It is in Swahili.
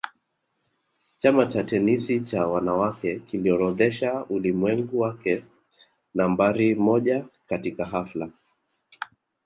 Chama cha Tenisi cha Wanawake kiliorodhesha ulimwengu wake Nambari moja katika hafla